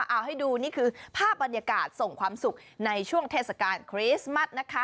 เอาให้ดูนี่คือภาพบรรยากาศส่งความสุขในช่วงเทศกาลคริสต์มัสนะคะ